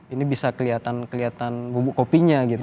ini bisa kelihatan bubuk kopinya gitu